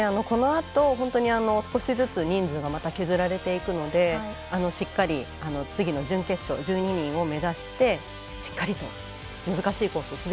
このあと、本当に少しずつ人数がまた削られていくのでしっかり次の準決勝１２人を目指してしっかりと難しいコース